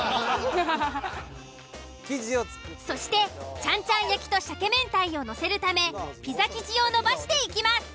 そしてちゃんちゃん焼きと鮭明太をのせるためピザ生地をのばしていきます。